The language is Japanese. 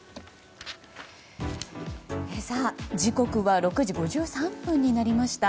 時刻は６時５３分になりました。